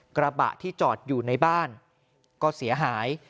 กระบะที่จอดอยู่ในบ้านก็เสียหาย